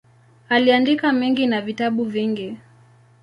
Aliandika mengi na vitabu vingi.